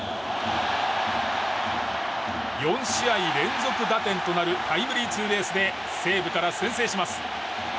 ４試合連続打点となるタイムリーツーベースで西武から先制します。